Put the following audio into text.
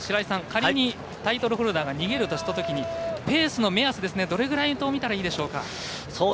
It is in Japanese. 仮にタイトルホルダーが逃げるとしたときにペースの目安をどれぐらいを見たらいいでしょうか？